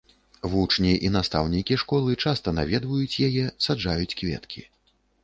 Вучні і настаўнікі школы часта наведваюць яе, саджаюць кветкі.